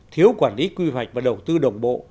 thiếu quản lý quy hoạch và đầu tư đồng bộ